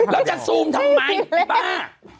เราจะซูมทำไมบ้า